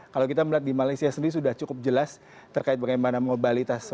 kalau kita melihat di malaysia sendiri sudah cukup jelas terkait bagaimana mobilitas